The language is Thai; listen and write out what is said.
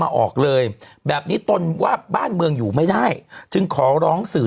ออกเลยแบบนี้ตนว่าบ้านเมืองอยู่ไม่ได้จึงขอร้องสื่อ